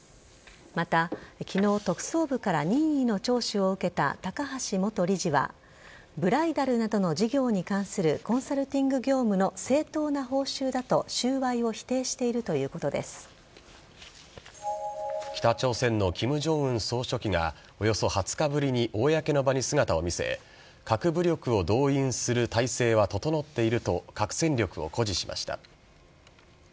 また昨日、特捜部から任意の聴取を受けた高橋元理事はブライダルなどの事業に関するコンサルティング業務の正当な報酬だと収賄を北朝鮮の金正恩総書記がおよそ２０日ぶりに公の場に姿を見せ核武力を動員する態勢は整っていると核戦力を誇示しました。